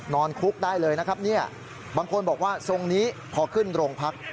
คุกได้เลยนะครับเนี่ยบางคนบอกว่าทรงนี้พอขึ้นโรงพัก